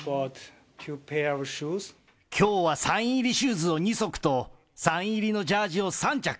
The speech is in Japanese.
きょうはサイン入りシューズを２足と、サイン入りのジャージを３着。